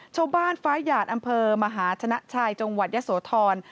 ชาวบ้านฟ้าหยาดอำเภอมหาชนะชัยจังหวัดยสโทรณ์